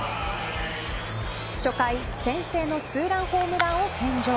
初回、先制のツーランホームランを献上。